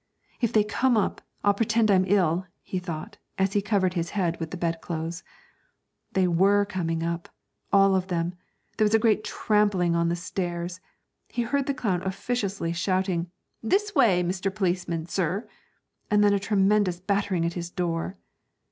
'If they come up I'll pretend I'm ill,' he thought, as he covered his head with the bedclothes. They were coming up, all of them. There was a great trampling on the stairs. He heard the clown officiously shouting: 'This way, Mr. Policeman, sir!' and then a tremendous battering at his door.